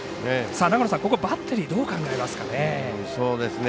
ここはバッテリーどう考えますかね。